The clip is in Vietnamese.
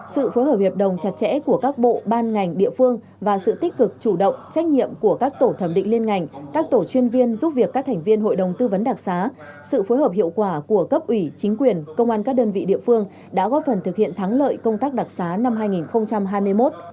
sự phối hợp hiệp đồng chặt chẽ của các bộ ban ngành địa phương và sự tích cực chủ động trách nhiệm của các tổ thẩm định liên ngành các tổ chuyên viên giúp việc các thành viên hội đồng tư vấn đặc xá sự phối hợp hiệu quả của cấp ủy chính quyền công an các đơn vị địa phương đã góp phần thực hiện thắng lợi công tác đặc sá năm hai nghìn hai mươi một